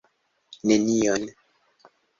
Nenion.